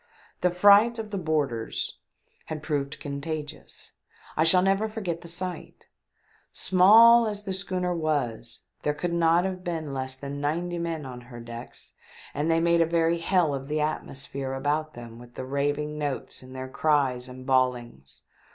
The fright of the boarders had proved contagious. I shall never forget the sight ! Small as the schooner was, there could not have b^en Icsb than ninety men on her decks, THE DEATH SHIP IS BOARDED BY A PIRATE. 373 and they made a very hell of the atmosphere about them with the raving notes in their cries and bawlings.